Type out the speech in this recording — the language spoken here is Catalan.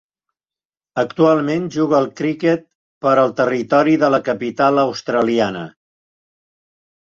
Actualment juga al criquet per al Territori de la Capital Australiana.